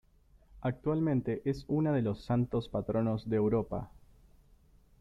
Actualmente es una de los Santos Patronos de Europa.